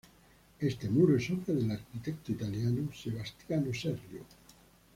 Este muro es obra del arquitecto italiano Sebastiano Serlio.